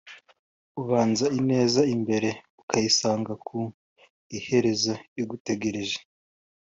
Ubanza ineza imbere ukayisanga ku iherezo igutegereje